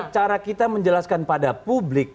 cara kita menjelaskan pada publik